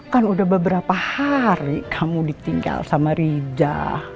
kan udah beberapa hari kamu ditinggal sama rija